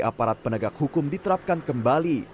aparat penegak hukum diterapkan kembali